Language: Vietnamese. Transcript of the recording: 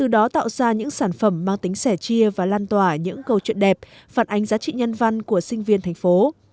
đó tạo ra những sản phẩm mang tính sẻ chia và lan tỏa những câu chuyện đẹp phản ánh giá trị nhân văn của sinh viên thành phố